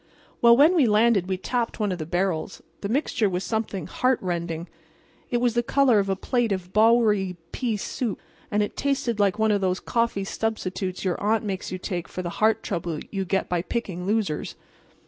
"Well, when we landed we tapped one of the barrels. The mixture was something heartrending. It was the color of a plate of Bowery pea soup, and it tasted like one of those coffee substitutes your aunt makes you take for the heart trouble you get by picking losers.